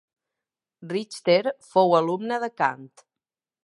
Richter fou alumne de Kant.